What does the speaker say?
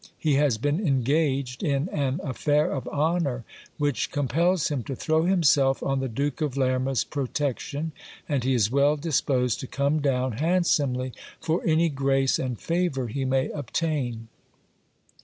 He has been engaged in an affair of honour which compels him to throw himself on the Duke of Lerma's protection, and he is well disposed to come down hand somely for any grace and favour he may obtain.